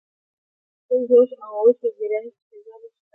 د خپل جوش او اوج په جریان کې جذابه ښکاري.